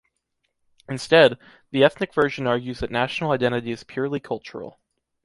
Instead, the ethnic version argues that national identity is purely cultural.